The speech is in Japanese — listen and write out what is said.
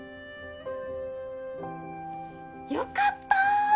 良かった！